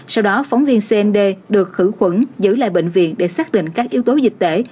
sau đó phóng viên cnd được khử khuẩn giữ lại bệnh viện để xác định các yếu tố dịch tễ